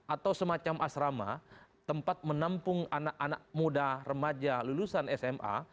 atau semacam asrama tempat menampung anak anak muda remaja lulusan sma